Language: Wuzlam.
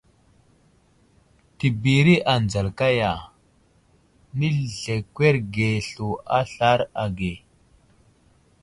Təbiri anzal kaya, nəzlekwerge slu a aslar age.